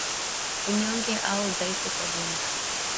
Unyonge au udhaifu kwa jumla